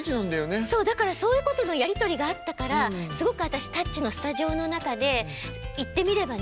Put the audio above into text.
だからそういうことのやり取りがあったからすごく私「タッチ」のスタジオの中で言ってみればね